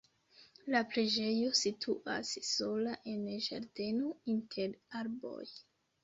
La preĝejo situas sola en ĝardeno inter arboj.